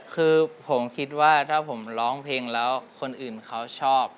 คือผมคิดว่าถ้าผมร้องเพลงแล้วคนอื่นเขาชอบ